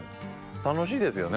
楽しいですよね